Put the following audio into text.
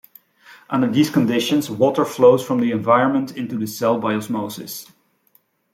Under these conditions, water flows from the environment into the cell by osmosis.